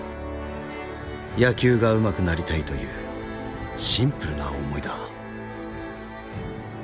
野球がうまくなりたいというシンプルな思いだ。